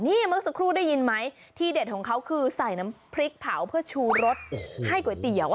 นี่เมื่อสักครู่ได้ยินไหมที่เด็ดของเขาคือใส่น้ำพริกเผาเพื่อชูรสให้ก๋วยเตี๋ยว